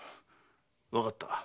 わかった。